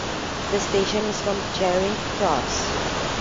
The station is from Charing Cross.